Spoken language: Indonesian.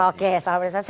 oke salam restorasi